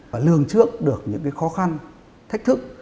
và lường trước được những khó khăn thách thức